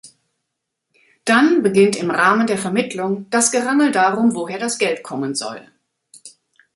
Dann beginnt im Rahmen der Vermittlung das Gerangel darum, woher das Geld kommen soll.